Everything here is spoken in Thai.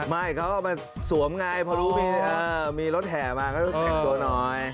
ไม่ก็เอามาสวมไงพอมีรถแถมาก็แปดตัวหน่อย